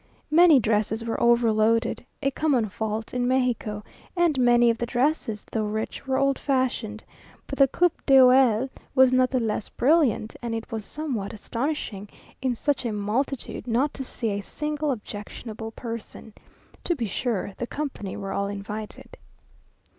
Many dresses were overloaded, a common fault in Mexico; and many of the dresses, though rich, were old fashioned; but the coup d'oeil was not the less brilliant, and it was somewhat astonishing, in such a multitude, not to see a single objectionable person. To be sure the company were all invited.